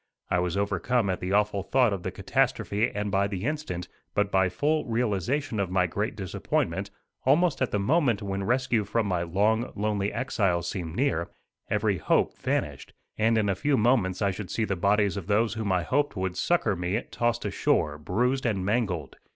I was overcome at the awful thought of the catastrophe and by the instant, but full realization of my great disappointment, almost at the moment when rescue from my long, lonely exile seemed near, every hope vanished; and in a few moments I should see the bodies of those whom I hoped would succor me tossed ashore, bruised and mangled.